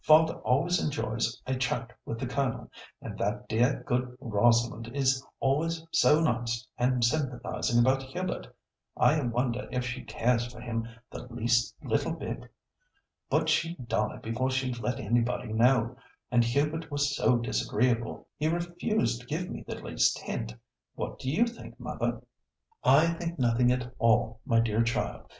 "Father always enjoys a chat with the Colonel, and that dear, good Rosalind is always so nice and sympathising about Hubert. I wonder if she cares for him the least little bit? But she'd die before she let anybody know, and Hubert was so disagreeable, he refused to give me the least hint. What do you think, mother?" "I think nothing at all, my dear child.